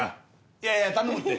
いやいや頼むって！